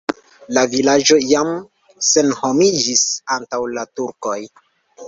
La vilaĝo jam senhomiĝis antaŭ la turkoj.